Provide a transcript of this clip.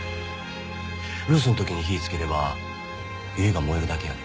留守ん時に火ぃつければ家が燃えるだけやでね。